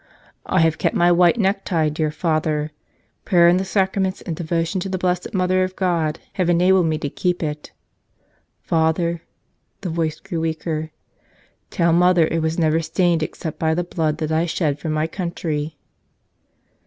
I have kept my white necktie, dear Father. Prayer and the Sacraments and devotion to the Blessed Mother of God have enabled me to keep it. Father," the voice grew weaker, "tell mother it was never stained except by the blood that I shed for my country."